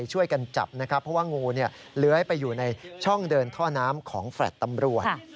ช่วยกันจับนะครับเพราะว่างูเลื้อยไปอยู่ในช่องเดินท่อน้ำของแฟลต์ตำรวจ